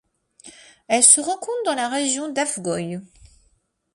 Elle se rencontre dans la région d'Afgoi.